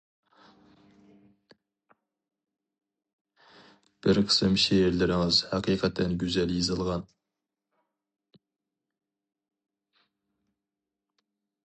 بىر قىسىم شېئىرلىرىڭىز ھەقىقەتەن گۈزەل يېزىلغان.